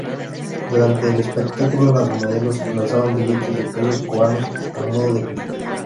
Durante el espectáculo las modelos lanzaban billetes de pesos cubanos a modo de crítica.